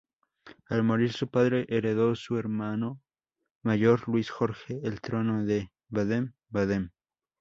Al morir su padre, heredó su hermano mayor, Luis Jorge el trono de Baden-Baden.